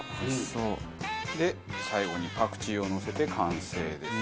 最後にパクチーをのせて完成です。